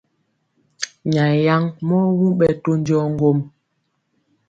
Nyayɛ yaŋ mɔ wuŋ ɓɛ to njɔɔ ŋgwom.